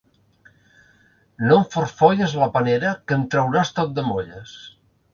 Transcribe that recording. No em forfolles la panera, que en trauràs tot de molles...!